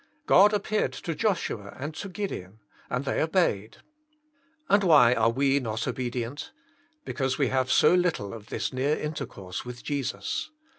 God appeared to Joshua and to Gid eon, and they obeyed. And why are we not obedient ? Because we have so little of this near intercourse with Jesus.